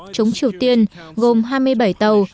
chống triều tiên gồm hai mươi bảy tàu